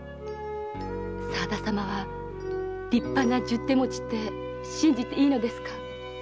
沢田様は立派な十手持ちって信じていいですか？